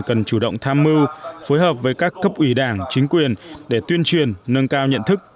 cần chủ động tham mưu phối hợp với các cấp ủy đảng chính quyền để tuyên truyền nâng cao nhận thức